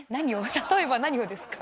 例えば何をですか？